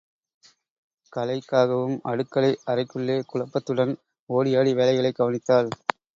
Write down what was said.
கலெய்க்காவும், அடுக்களை அறைக்குள்ளே, குழப்பத்துடன் ஒடியாடி வேலைகளைக் கவனித்தாள்.